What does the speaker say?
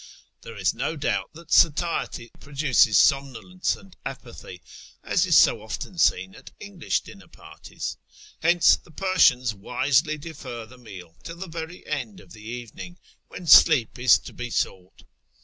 There is no doubt that satiety produces somnolence and apathy, as is so often seen at English dinner parties. Hence the Persians wisely defer the meal till the very end of the evening, when sleep is to be sought.